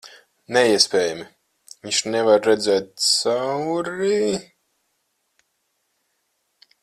Neiespējami. Viņš nevar redzēt cauri...